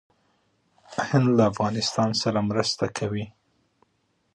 هند له افغانستان سره مرسته کوي.